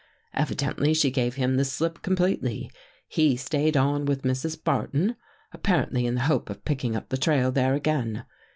Evidently she gave him the slip completely. He stayed on with Mrs. Barton, apparently in the hope of picking up the trail there again.